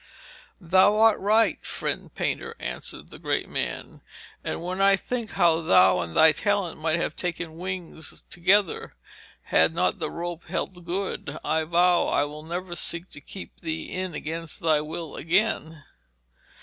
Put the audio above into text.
'Thou art right, friend painter,' answered the great man. 'And when I think how thou and thy talent might have taken wings together, had not the rope held good, I vow I will never seek to keep thee in against thy will again.'